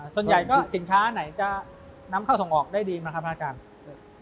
ส่วนใหญ่ก็สินค้าไหนจะนำเข้าส่งออกได้ดีไหมครับอาจารย์